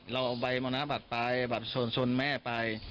เราเอาใบมรณบัตรไปบัตรชนแม่ไป